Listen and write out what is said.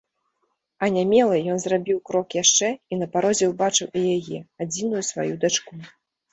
Анямелы, ён зрабіў крок яшчэ і на парозе ўбачыў і яе, адзіную сваю дачку.